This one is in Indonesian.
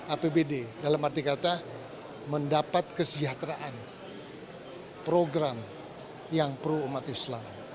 apbd dalam arti kata mendapat kesejahteraan program yang pro umat islam